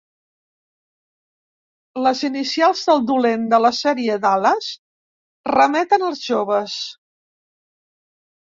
Les inicials del dolent de la sèrie “Dallas” remeten als joves.